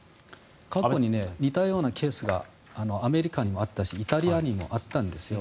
過去に似たようなケースがアメリカにもあったしイタリアにもあったんですよ。